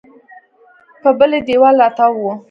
په بلې دېوال راتاو و.